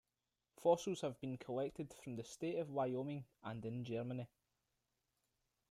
Fossils have been collected from the state of Wyoming and in Germany.